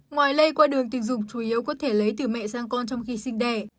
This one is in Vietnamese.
ngoài lây qua đường tình dục chủ yếu có thể lấy từ mẹ sang con trong khi sinh đẻ